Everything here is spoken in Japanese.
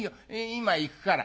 今行くから。